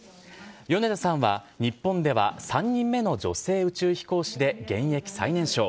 米田さんは日本では３人目の女性宇宙飛行士で現役最年少。